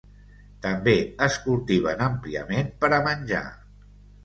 També es cultiven àmpliament per a menjar.